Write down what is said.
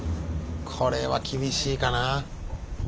これは厳しいかな。